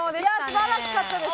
素晴らしかったです。